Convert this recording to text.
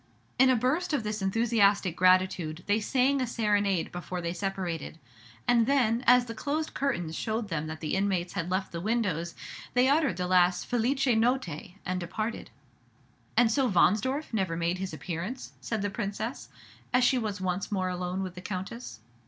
In a burst of this enthusiastic gratitude they sang a serenade before they separated; and then, as the closed curtains showed them that the inmates had left the windows, they uttered the last "felice Notte," and departed. "And so Wahnsdorf never made his appearance?" said the Princess, as she was once more alone with the Countess.